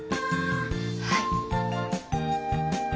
はい。